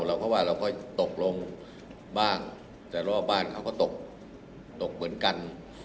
เราก็ว่าเราก็ตกลงบ้างแต่รอบบ้านเขาก็ตกตกเหมือนกัน